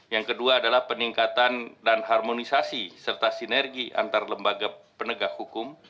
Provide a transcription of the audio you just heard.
yang kedua adalah peningkatan dan harmonisasi serta sinergi antar lembaga penegak hukum